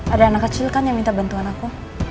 ada anak kecil kan yang minta bantuan aku